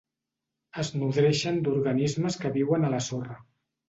Es nodreixen d'organismes que viuen a la sorra.